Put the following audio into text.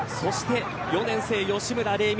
４年生、吉村玲美